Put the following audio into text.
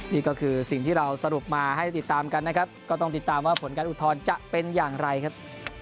นี่ก็คือสิ่งที่เราสรุปมาให้ติดตามกันนะครับก็ต้องติดตามว่าผลการอุทธรณ์จะเป็นอย่างไรครับ